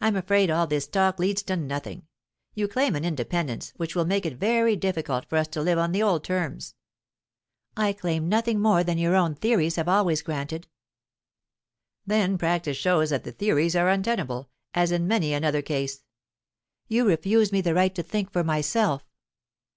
"I'm afraid all this talk leads to nothing. You claim an independence which will make it very difficult for us to live on the old terms." "I claim nothing more than your own theories have always granted." "Then practice shows that the theories are untenable, as in many another case." "You refuse me the right to think for myself."